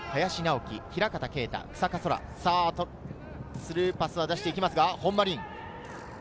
スルーパスを出して行きますが、本間凛。